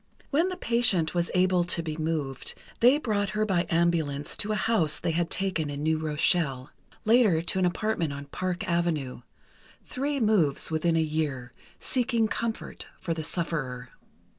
When the patient was able to be moved, they brought her by ambulance to a house they had taken in New Rochelle. Later to an apartment on Park Avenue—three moves within a year, seeking comfort for the sufferer.